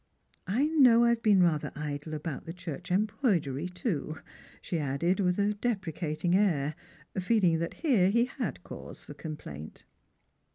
I know I have been rather idle about the church embroidery, too,'' she added with a deprecating air, feeling that here lie had cause for com plaint.